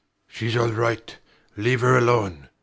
Shes all right. Leave her alone.